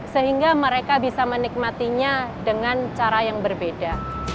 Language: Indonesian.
sehingga mereka bisa menikmatinya dengan cara yang berbeda